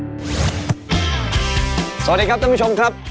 สวัสดีครับท่านผู้ชมครับ